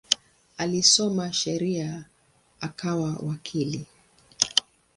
Alisoma sheria akawa wakili.